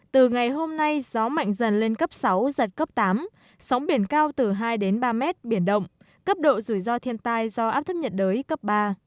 từ ngày hôm nay gió mạnh dần lên cấp sáu giật cấp tám sóng biển cao từ hai đến ba mét biển động cấp độ rủi ro thiên tai do áp thấp nhiệt đới cấp ba